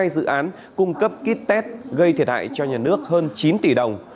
hai dự án cung cấp kit test gây thiệt hại cho nhà nước hơn chín tỷ đồng